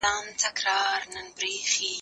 موږ چي ول بالا به مېوه خوږه وي باره بې خونده وه